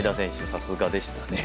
さすがでしたね。